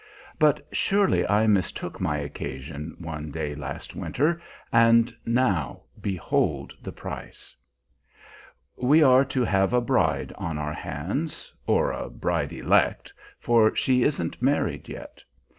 But surely I mistook my occasion, one day last winter and now behold the price! We are to have a bride on our hands, or a bride elect, for she isn't married yet.